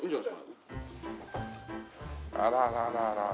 あららら。